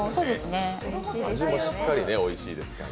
味もしっかりおいしいですから。